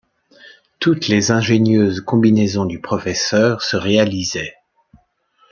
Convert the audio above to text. Toutes les ingénieuses combinaisons du professeur se réalisaient.